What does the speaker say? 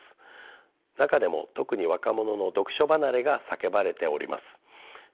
中でも特に若者の読書離れが叫ばれております。